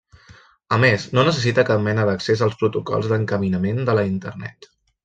A més, no necessita cap mena d'accés als protocols d'encaminament de la Internet.